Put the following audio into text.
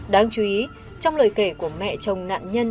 đáng chú ý trong lời kể của mẹ chồng nạn nhân